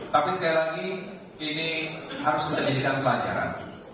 tapi sekali lagi ini harus menjadikan pelajaran